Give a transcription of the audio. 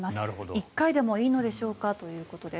１回でもいいのでしょうかということです。